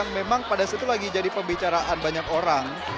memang pada saat itu lagi jadi pembicaraan banyak orang